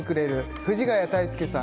藤ヶ谷太輔さん